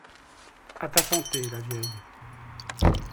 A ta santé, la vieille